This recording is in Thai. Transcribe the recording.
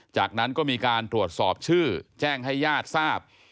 จากนั้นก็มีการตรวจสอบชื่อแจ้งให้ญาติทราบ